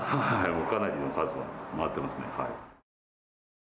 もうかなりの数を回ってますね。